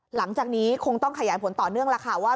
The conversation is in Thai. หลังจากนี้คงต้องขยายผลต่อเนื่องแล้วค่ะว่า